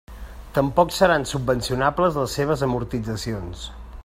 Tampoc seran subvencionables les seves amortitzacions.